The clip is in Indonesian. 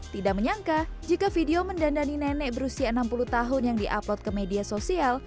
tidak menyangka jika video mendandani nenek berusia enam puluh tahun yang di upload ke media sosial